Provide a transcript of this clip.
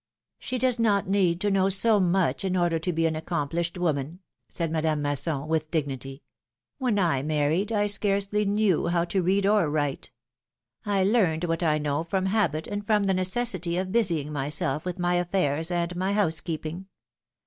^^ ^^She does not need to know so much in order to be an accomplished woman,^' said Madame Masson, with dignity; when I married I scarcely knew how to read or write. I learned what I know from habit and from the necessity of busying myself with my affairs and my housekeeping.